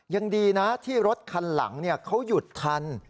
ยังดีนะที่รถคันหลังเขาหยุดทัน